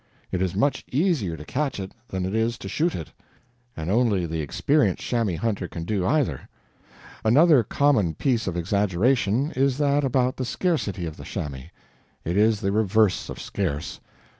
It is much easier to catch it than it is to shoot it, and only the experienced chamois hunter can do either. Another common piece of exaggeration is that about the "scarcity" of the chamois. It is the reverse of scarce.